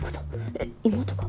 えっ妹か？